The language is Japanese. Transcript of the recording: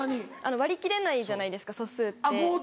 割り切れないじゃないですか素数って。